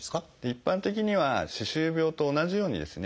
一般的には歯周病と同じようにですね